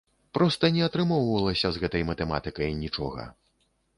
Проста не атрымоўвалася з гэтай матэматыкай нічога!